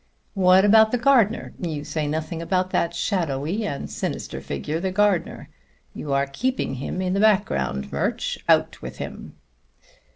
"What about the gardener? You say nothing about that shadowy and sinister figure, the gardener. You are keeping him in the background, Murch. Out with him!"